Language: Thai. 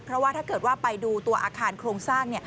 เพราะว่าถ้าเกิดว่าไปดูตัวอาคารโครงสร้าง